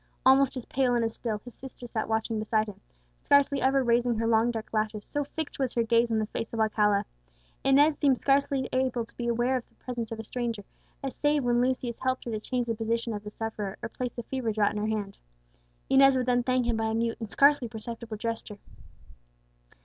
Almost as pale and as still, his sister sat watching beside him, scarcely ever raising her long dark lashes, so fixed was her gaze on the face of Alcala. Inez seemed scarcely to be aware of the presence of a stranger, save when Lucius helped her to change the position of the sufferer, or placed the fever draught in her hand. Inez would then thank him by a mute and scarcely perceptible gesture.